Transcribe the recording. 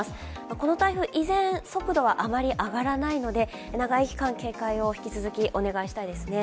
この台風、依然、速度はあまり上がらないので、長い期間、警戒を引き続きお願いしたいですね。